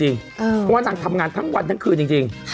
เพราะว่านางทำงานทั้งวันทั้งคืนจริง